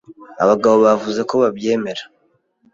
abagabo bavuze ko babyemera